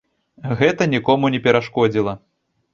Гэта нікому не перашкодзіла.